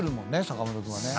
坂本君はね。